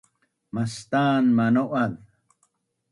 Mastan manau’az